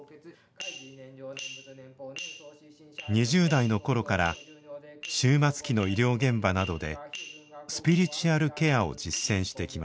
２０代の頃から終末期の医療現場などでスピリチュアルケアを実践してきました。